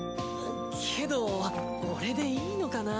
けど俺でいいのかなぁ。